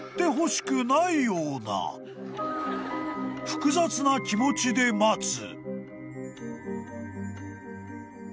［複雑な気持ちで待つ］